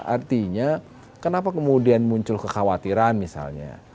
artinya kenapa kemudian muncul kekhawatiran misalnya